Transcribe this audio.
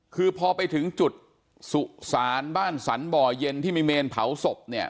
คือพอไปถึงจุดสุสานบ้านสรรบ่อเย็นที่มีเมนเผาศพเนี่ย